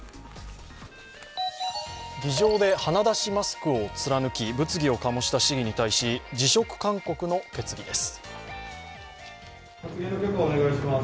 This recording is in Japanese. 議場で鼻だしマスクを貫き、物議を醸した市議に対し辞職勧告の決議です。